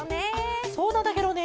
あっそうなんだケロね。